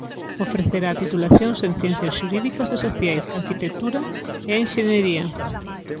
Ofrecerá titulacións en ciencias xurídicas e sociais, arquitectura e enxeñería.